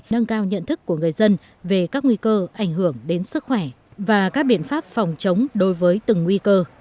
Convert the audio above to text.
nâng cao nhận thức của người dân về các nguy cơ ảnh hưởng đến sức khỏe và các biện pháp phòng chống đối với từng nguy cơ